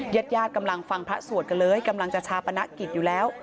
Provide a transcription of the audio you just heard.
ญาติญาติกำลังฟังพระสวดกันเลยกำลังจะชาปนกิจอยู่แล้ว